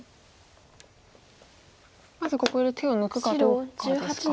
まずここで手を抜くかどうかですか。